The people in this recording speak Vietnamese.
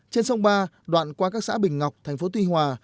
trên sông ba đoạn qua các xã bình ngọc thành phố tuy hòa